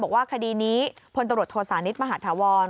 บอกว่าคดีนี้พลตำรวจโทษานิทมหาธาวร